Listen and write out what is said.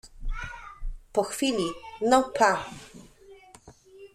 Po chwili: — No, pa.